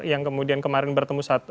yang kemudian kemarin bertemu satu